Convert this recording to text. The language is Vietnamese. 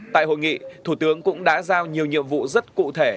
tại hội nghị thủ tướng cũng đã giao nhiều nhiệm vụ rất cụ thể